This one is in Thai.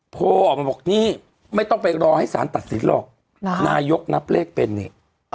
โทรออกมาบอกนี่ไม่ต้องไปรอให้สารตัดสินหรอกนายกนับเลขเป็นนี่